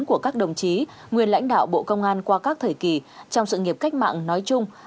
của các đồng chí nguyên lãnh đạo bộ công an qua các thời kỳ trong sự nghiệp cách mạng nói chung